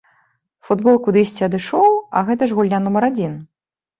Футбол кудысьці адышоў, а гэта ж гульня нумар адзін.